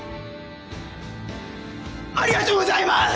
「ありがとうございます！」